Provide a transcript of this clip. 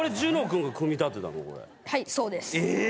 これはいそうですえ！